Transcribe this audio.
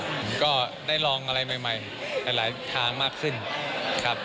ผมก็ได้ลองอะไรใหม่หลายทางมากขึ้นครับ